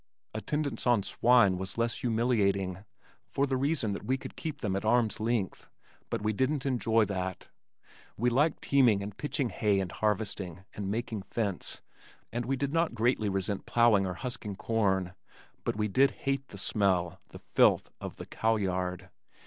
Attendance on swine was less humiliating for the reason that we could keep them at arm's length, but we didn't enjoy that. We liked teaming and pitching hay and harvesting and making fence, and we did not greatly resent plowing or husking corn but we did hate the smell, the filth of the cow yard.